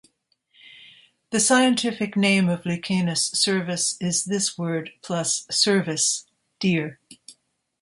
The scientific name of "Lucanus cervus" is this word, plus "cervus", deer.